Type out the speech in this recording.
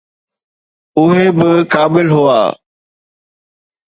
اهي به قابل هئا.